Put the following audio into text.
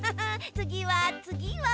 つぎはつぎは。